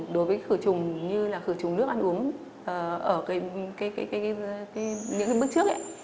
đối với khử trùng như là khử trùng nước ăn uống ở những bước trước ấy